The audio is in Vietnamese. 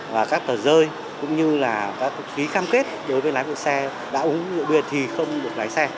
và các tờ rơi cũng như là các ký cam kết đối với lái xe đã uống rượu bia thì không được lái xe